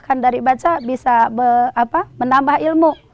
kan dari baca bisa menambah ilmu